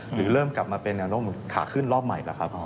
หรือเริ่มกลับมาเป็นแนวร่มขาขึ้นรอบใหม่แล้วครับ